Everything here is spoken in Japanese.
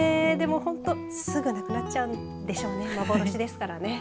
すぐなくなっちゃうんでしょうね幻ですからね。